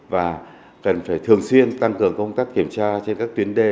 và cần phải thường xuyên tăng cường công tác kiểm tra trên các tuyến đê